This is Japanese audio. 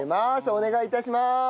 お願い致します。